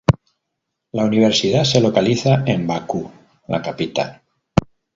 La Universidad se localiza en Bakú, la capital.